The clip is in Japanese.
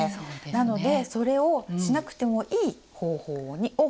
なのでそれをしなくてもいい方法を使いました。